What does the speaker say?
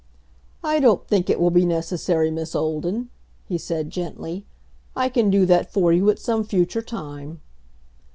"I don't think it will be necessary, Miss Olden," he said gently. "I can do that for you at some future time."